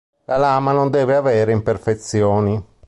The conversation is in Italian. La lama non deve avere imperfezioni.